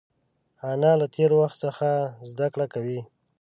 انا له تېر وخت څخه زده کړه کوي